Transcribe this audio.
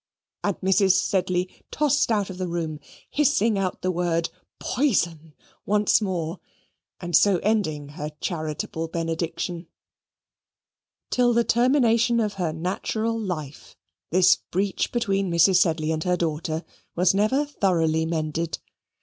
And Mrs. Sedley tossed out of the room, hissing out the word poison once more, and so ending her charitable benediction. Till the termination of her natural life, this breach between Mrs. Sedley and her daughter was never thoroughly mended.